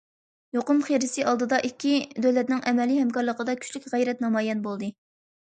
يۇقۇم خىرىسى ئالدىدا، ئىككى دۆلەتنىڭ ئەمەلىي ھەمكارلىقىدا كۈچلۈك غەيرەت نامايان بولدى.